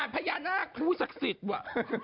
พญานาคครูศักดิ์สิทธิ์ว่ะ